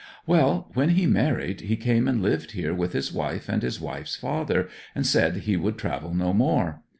'Well, when he married he came and lived here with his wife and his wife's father, and said he would travel no more.